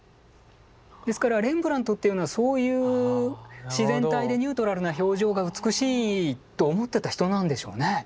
ですからレンブラントっていうのはそういう自然体でニュートラルな表情が美しいと思ってた人なんでしょうね。